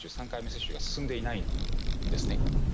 ３回目接種が進んでいないんです。